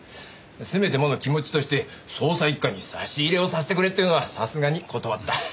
「せめてもの気持ちとして捜査一課に差し入れをさせてくれ」っていうのはさすがに断った。